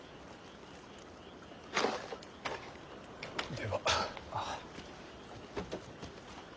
では。